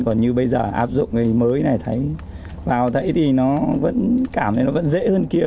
còn như bây giờ áp dụng cái mới này thấy vào dãy thì nó vẫn cảm thấy nó vẫn dễ hơn kia